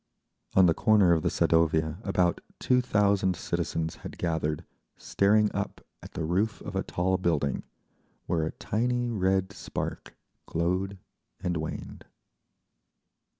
On the corner of the Sadovaya about two thousand citizens had gathered, staring up at the roof of a tall building, where a tiny red spark glowed and waned.